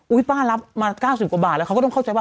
ป้ารับมา๙๐กว่าบาทแล้วเขาก็ต้องเข้าใจว่า